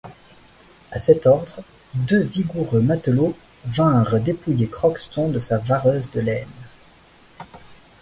À cet ordre, deux vigoureux matelots vinrent dépouiller Crockston de sa vareuse de laine.